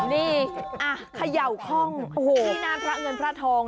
นี่เขย่าคล่องที่หน้าพระเงินพระทอง